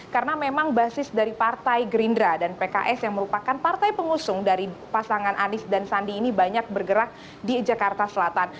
karena memang basis dari partai gerindra dan pks yang merupakan partai pengusung dari pasangan anis dan sandi ini banyak bergerak di jakarta selatan